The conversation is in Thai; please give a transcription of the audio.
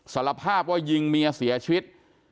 สารภาพว่ายิงเมียเสียชีวิต